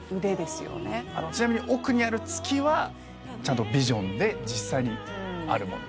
ちなみに奥にある月はちゃんとビジョンで実際にあるもの。